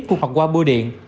cũng hoặc qua bưu điện